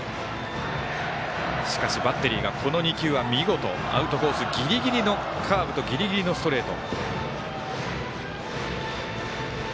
しかし、バッテリーがこの２球は見事アウトコースギリギリのカーブとギリギリのストレート。